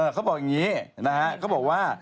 เขาบอกอย่างนี้นะบอกว่า